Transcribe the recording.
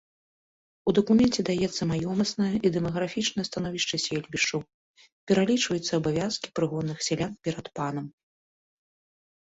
У дакуменце даецца маёмаснае і дэмаграфічнае становішча сельбішча, пералічваюцца абавязкі прыгонных сялян перад панам.